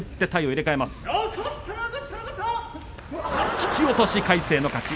引き落とし、魁聖の勝ち。